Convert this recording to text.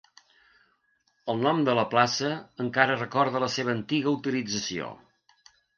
El nom de la plaça encara recorda la seva antiga utilització.